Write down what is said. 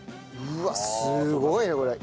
うわっすごいねこれ。